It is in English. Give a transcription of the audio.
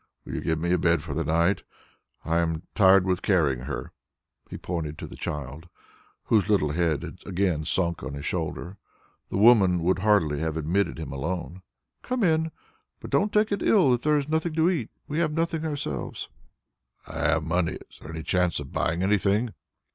"Will you give me a bed for the night? I am tired with carrying her." He pointed to the child, whose little head had again sunk on his shoulder. The woman would hardly have admitted him alone. "Come in, but don't take it ill that there is nothing to eat; we have nothing ourselves." "I have money, if there is any chance of buying anything."